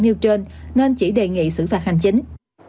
nêu trên nên chỉ đề nghị xử phạt hành chính